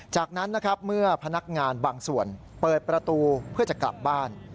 จากนั้นนะครับเมื่อพนักงานบางส่วนเปิดประตูเพื่อจะกลับบ้าน